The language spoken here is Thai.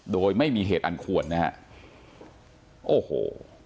โดยไม่มีเหตุอันควรนะฮะโอ้โห